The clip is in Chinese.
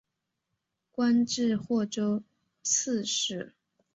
官至霍州刺史。